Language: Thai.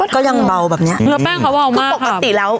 ก็ยังเบาแบบเนี้ยเนื้อแป้งเขาเบาเมื่อปกติแล้ว